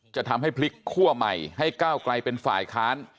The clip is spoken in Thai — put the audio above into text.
จะทำให้พลิกคั่วใหม่ให้ก้าวไกลเป็นฝ่ายค้าน